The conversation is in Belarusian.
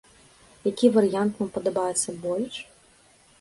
Які варыянт вам падабаецца больш?